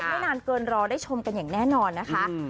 ไม่นานเกินรอได้ชมกันอย่างแน่นอนนะคะ